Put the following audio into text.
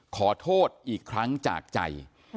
ขอโทษอีกครั้งจากใจ